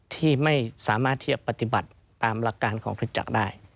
ที่ไม่สามารถที่จะปฏิบัติตามหลักการของคริจักรได้